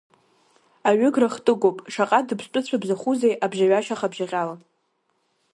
Аҩы гра хтыгоуп, Шаҟа дыԥстәы цәыбзахәузеи, Абжьаҩашьа хабжьаҟьала.